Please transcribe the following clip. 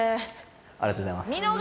ありがとうございます。